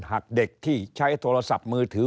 หากเด็กที่ใช้โทรศัพท์มือถือ